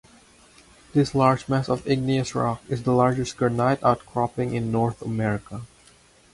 This large mass of igneous rock is the largest granite outcropping in North America.